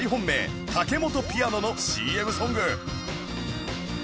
タケモトピアノの ＣＭ ソング